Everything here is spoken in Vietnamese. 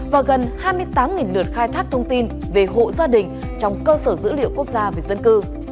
và gần hai mươi tám lượt khai thác thông tin về hộ gia đình trong cơ sở dữ liệu quốc gia về dân cư